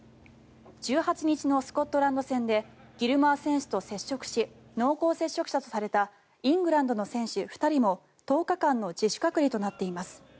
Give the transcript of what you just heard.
１８日のスコットランド戦でギルモア選手と接触し濃厚接触者とされたイングランドの選手２人も１０日間の自主隔離となっています。